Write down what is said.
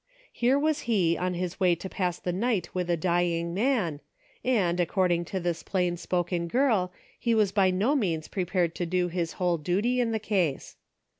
Here was he on his way to pass the night with a dying man, and, according to this plain spoken girl, he was by no means prepared to do his whole duty in the case.